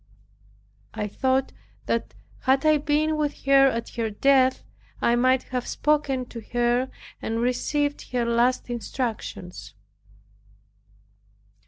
I thought that had I been with her at her death I might have spoken to her and received her last instructions.